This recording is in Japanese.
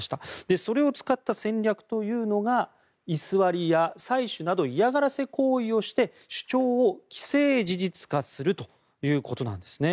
それを使った戦略というのが居座りや採取など嫌がらせ行為をして主張を既成事実化するということなんですね。